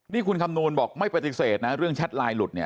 นี่คุณคำนวณบอกไม่ปฏิเสธนะเรื่องแชทไลน์หลุดเนี่ย